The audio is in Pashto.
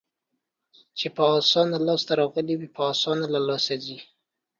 چې په اسانه لاس ته راغلي وي، په اسانه له لاسه ځي.